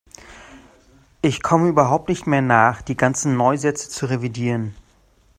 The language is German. Ich komme überhaupt nicht mehr nach, die ganzen Neusätze zu revidieren.